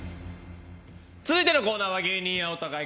続いてのコーナーは芸人青田買い！